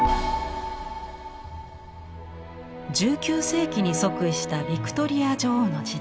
１９世紀に即位したヴィクトリア女王の時代